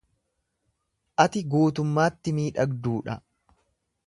Ati guutummaatti miidhagduu dha.